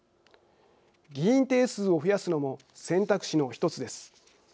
議員定数を増やすのも選択肢の１つです。